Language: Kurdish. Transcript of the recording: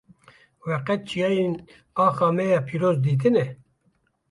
We qet çiyayên axa me ya pîroz dîtine?